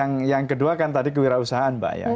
dan yang kedua kan tadi kewirausahaan mbak